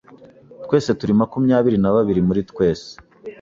Twese turi makumyabiri na babiri muri twese.